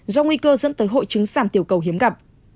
do nguy cơ dẫn tới hội chứng giảm tiểu cầu hiếm gặp